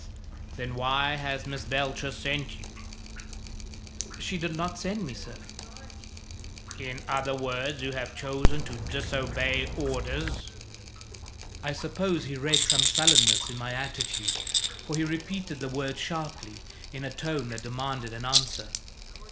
"Then why has Miss Belcher sent you?" "She did not send me, sir." "In other words, you have chosen to disobey orders?" I suppose he read some sullenness in my attitude, for he repeated the words sharply, in a tone that demanded an answer.